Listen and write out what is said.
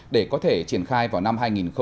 để có thể triển khai vào năm hai nghìn hai mươi